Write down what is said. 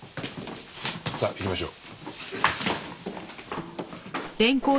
さあ行きましょう。